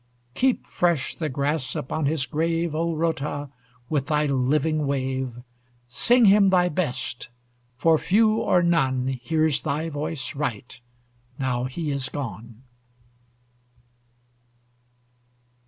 Keep fresh the grass upon his grave, O Rotha, with thy living wave! Sing him thy best! for few or none Hears thy voice right, now he is gone.